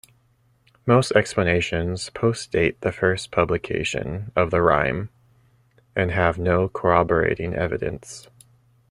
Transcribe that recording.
Most explanations post-date the first publication of the rhyme and have no corroborating evidence.